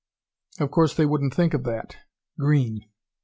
Of course they wouldn't think of that. Green!